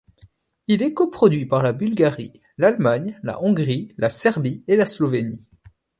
Il est coproduit par la Bulgarie, l'Allemagne, la Hongrie, la Serbie et la Slovénie.